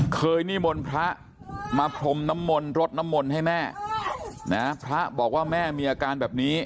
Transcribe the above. นิมนต์พระมาพรมน้ำมนต์รดน้ำมนต์ให้แม่นะพระบอกว่าแม่มีอาการแบบนี้